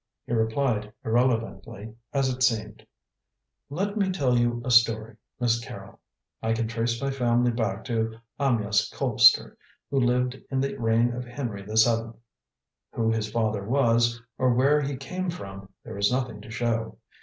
He replied irrelevantly, as it seemed: "Let me tell you a story, Miss Carrol. I can trace my family back to Amyas Colpster, who lived in the reign of Henry the Seventh. Who his father was, or where he came from, there is nothing to show.